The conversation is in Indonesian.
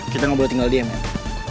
kita gak boleh tinggal di sini